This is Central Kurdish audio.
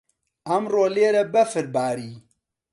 ئەمڕۆ لێرە بەفر باری.